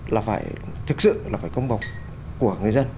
là phải thực sự là phải công bằng của người dân